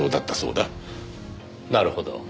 なるほど。